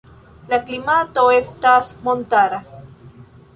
La klimato estas montara.